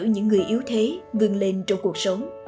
những người yếu thế gần lên trong cuộc sống